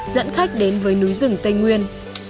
dẫn khách đến với núi rừng tây nguyên